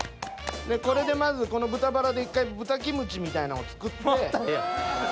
これでまずこの豚バラで１回豚キムチみたいなんを作って。